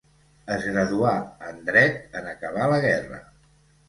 Es graduà en Dret en acabar la guerra.